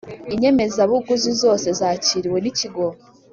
inyemezabuguzi zose zakiriwe n ikigo